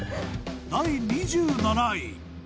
第２７位。